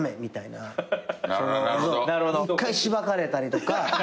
一回しばかれたりとか。